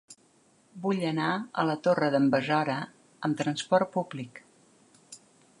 Vull anar a la Torre d'en Besora amb transport públic.